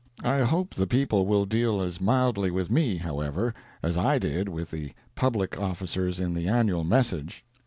I hope the people will deal as mildly with me, however, as I did with the public officers in the annual message.